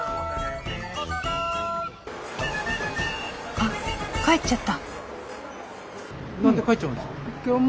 あっ帰っちゃった。